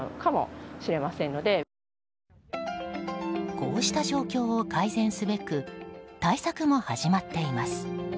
こうした状況を改善すべく対策も始まっています。